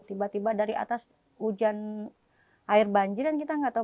tiba tiba dari atas hujan air banjir dan kita nggak tahu